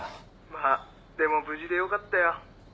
☎まあでも無事でよかったよ。